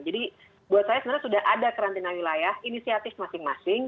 jadi buat saya sebenarnya sudah ada karantina wilayah inisiatif masing masing